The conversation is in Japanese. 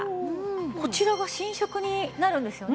こちらが新色になるんですよね？